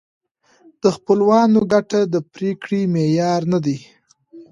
د خپلوانو ګټه د پرېکړې معیار نه دی.